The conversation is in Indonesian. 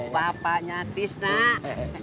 bapaknya tis nak